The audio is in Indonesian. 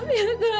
mila yang salah